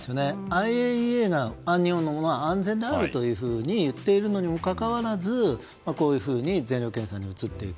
ＩＡＥＡが思うのは安全であると言っているのにもかかわらずこういうふうに全量検査に移っていく。